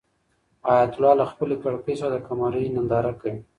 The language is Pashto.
حیات الله له خپلې کړکۍ څخه د قمرۍ ننداره کوي.